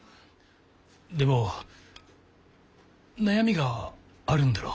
でも悩みがあるんだろ？